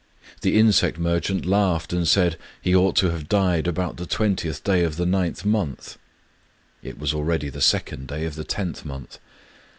The insect mer chant laughed and said, ^^He ought to have died about the twentieth day of the ninth month." (It was already the second day of the tenth month.)